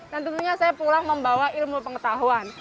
dan tentunya saya pulang membawa ilmu pengetahuan